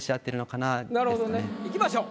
いきましょう。